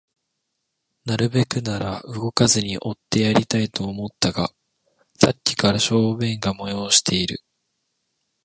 なるべくなら動かずにおってやりたいと思ったが、さっきから小便が催している